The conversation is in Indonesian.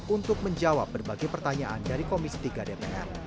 untuk menjawab berbagai pertanyaan dari komisi tiga dpr